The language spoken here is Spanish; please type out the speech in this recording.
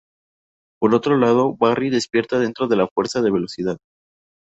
Por otro lado, Barry despierta dentro de la Fuerza de Velocidad.